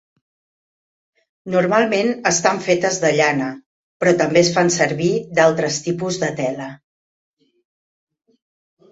Normalment estan fetes de llana, però també es fan servir d'altres tipus de tela.